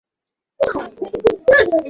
তারপর তারা তাকে মিথ্যাবাদী প্রতিপন্ন করে।